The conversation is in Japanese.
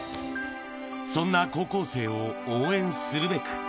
そんな高校生を応援するべく。